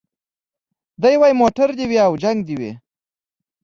دی وايي موټر دي وي او جنګ دي وي